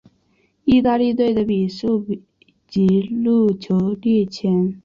意大利队的比数及入球列前。